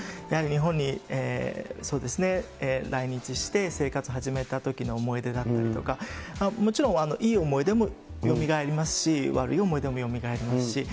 やはり日本にそうですね、来日して、生活始めたときの思い出だったりとか、もちろん、いい思い出もよみがえりますし、悪い思い出もよみがえりますし。